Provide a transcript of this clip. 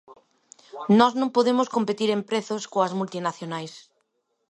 Nós non podemos competir en prezo coas multinacionais.